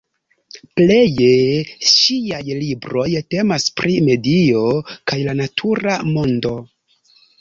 Pleje ŝiaj libroj temas pri medio kaj la natura mondo.